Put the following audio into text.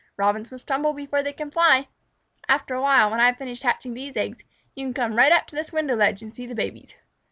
Robins must tumble before they can fly. After awhile, when I have finished hatching these eggs, you can come right up to this window ledge and see the babies."